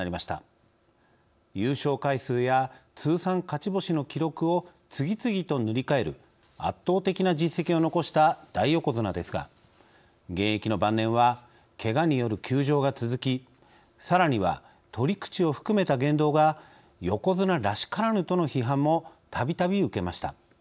優勝回数や通算勝ち星の記録を次々と塗り替える圧倒的な実績を残した大横綱ですが現役の晩年はけがによる休場が続きさらには取り口を含めた言動が「横綱らしからぬ」との批判もたびたび受けました。